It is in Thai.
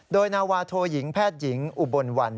โดยนาวาโทยิงแพทย์หญิงอุบลวัน